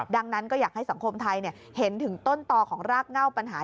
ดังนั้นก็อยากให้สังคมไทยเห็นถึงต้นต่อของรากเง่าปัญหา